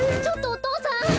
ちょっとお父さん。